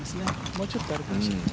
もうちょっとあるかもしれない。